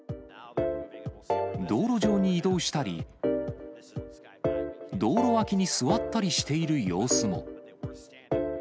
道路上に移動したり、道路脇に座ったりしている様子も。